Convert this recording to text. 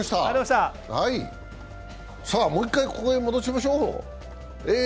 もう１回、ここへ戻しましょう。